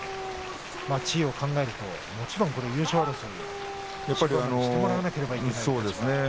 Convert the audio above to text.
地位を考えるともちろん優勝争いをしてもらわなければいけませんからね。